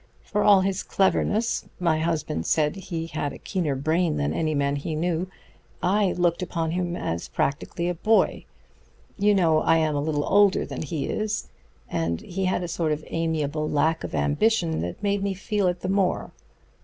For all his cleverness my husband said he had a keener brain than any man he knew I looked upon him as practically a boy. You know I am a little older than he is, and he had a sort of amiable lack of ambition that made me feel it the more.